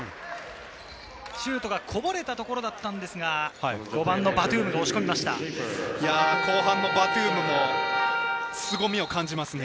シュートがこぼれたところだったんですが、５番のバトゥームが押後半のバトゥームもすごみを感じますね。